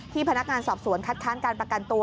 พนักงานสอบสวนคัดค้านการประกันตัว